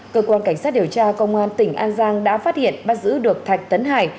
cơ quan cảnh sát điều tra công an tỉnh an giang đã phát hiện bắt giữ được thạch tấn hải